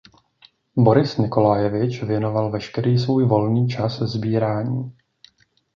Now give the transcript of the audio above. Boris Nikolajevič věnoval veškerý svůj volný čas sbírání.